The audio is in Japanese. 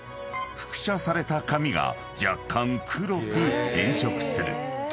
複写された紙が若干黒く変色する］